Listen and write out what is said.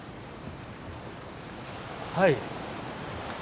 はい。